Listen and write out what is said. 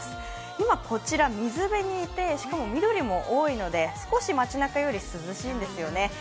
今、こちら水辺にいて、緑も多いので少し街なかより涼しいんですよね。